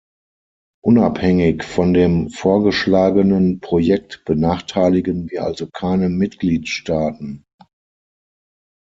Unabhängig von dem vorgeschlagenen Projekt benachteiligen wir also keine Mitgliedstaaten.